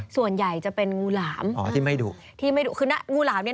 ส่วนใหญ่จะเป็นงูหลาม